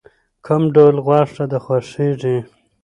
کوم ډول غوښه د خوښیږی؟